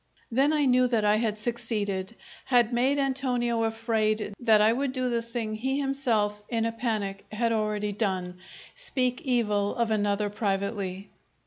Then I knew that I had succeeded, had made Antonio afraid that I would do the thing he himself, in a panic, had already done speak evil of another privately.